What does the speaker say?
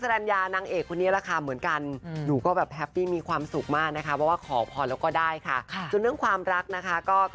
ทีมงานกระทิบมาหน่อยว่าว่าคุณวินเส้นคือ